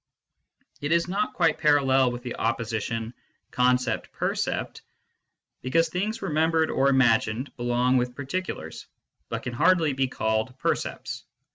It is not quite parallel with the opposition " concept percept," because things remembered or imagined belong with particulars, but can hardly be called percepts.